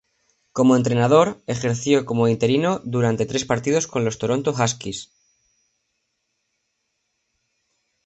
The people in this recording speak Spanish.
Como entrenador, ejerció como interino durante tres partidos con los Toronto Huskies.